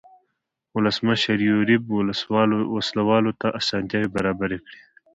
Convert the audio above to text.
ولسمشر یوریب وسله والو ته اسانتیاوې برابرې کړې.